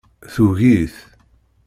Tugi-t.